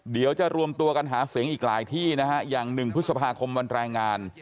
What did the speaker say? เดี๋ยวจะรวมตัวกันหาเสียงอีกหลายที่นะฮะอย่าง๑พฤษภาคมวันแรงงาน